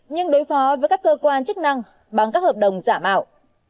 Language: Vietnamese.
nhưng đối phó với các cơ quan chức năng bằng các hợp đồng tự nhiên